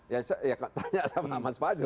ya saya tanya sama mas fadzul